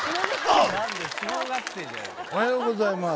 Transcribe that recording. おはようございます。